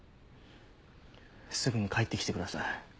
すぐに帰ってきてください。